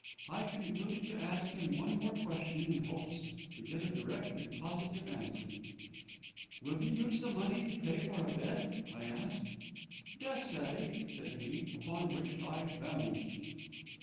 "I concluded to ask him one more question, in hopes to get a direct and positive answer. "'Will you use that money to pay for a bed?' I asked. "'Des'say,' said he, upon which I vamosed."